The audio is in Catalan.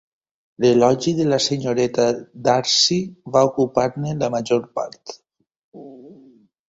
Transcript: L'elogi de la senyoreta Darcy va ocupar-ne la major part.